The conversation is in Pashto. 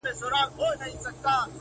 o باد را الوتی. له شبِ ستان دی.